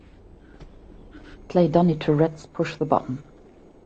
Play Donny Tourette's Push The Button